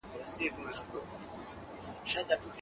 حضوري زده کړه د لارښوونې بې وضاحت نه ترسره کيږي.